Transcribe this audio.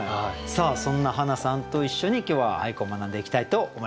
そんなはなさんと一緒に今日は俳句を学んでいきたいと思います。